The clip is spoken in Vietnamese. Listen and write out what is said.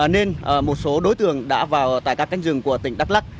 nên một số đối tượng đã vào tại các cánh rừng của tỉnh đắk lắc